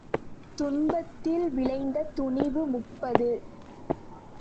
துன்பத்தில் விளைந்த துணிவு முப்பது.